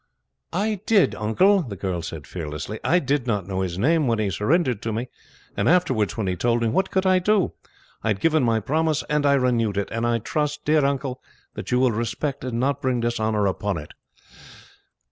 "I did, uncle," the girl said fearlessly. "I did not know his name when he surrendered to me, and afterwards, when he told me, what could I do? I had given my promise, and I renewed it; and I trust, dear uncle, that you will respect and not bring dishonour upon it."